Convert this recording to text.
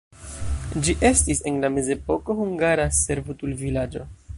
Ĝi estis en la mezepoko hungara servutulvilaĝo.